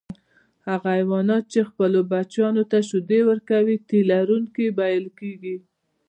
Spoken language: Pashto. هغه حیوانات چې خپلو بچیانو ته شیدې ورکوي تی لرونکي بلل کیږي